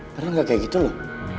ternyata gak kayak gitu loh